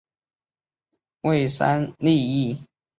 为三立艺能旗下艺人。